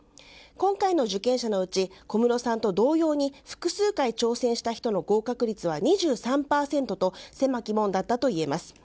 今回の受験者のうち小室さんと同様に複数回挑戦した人の合格率は２３％と狭き門だったといえます。